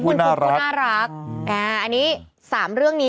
เป็นการกระตุ้นการไหลเวียนของเลือด